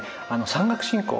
山岳信仰